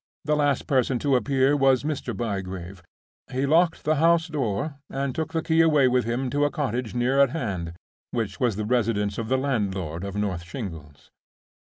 The last person to appear was Mr. Bygrave. He locked the house door, and took the key away with him to a cottage near at hand, which was the residence of the landlord of North Shingles.